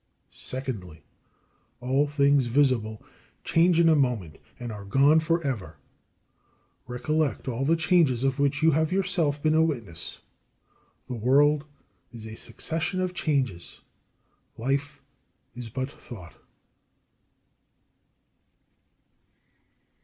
Secondly, all things visible change in a moment, and are gone for ever. Recollect all the changes of which you have yourself been a witness. The world is a succession of changes: life is but thought.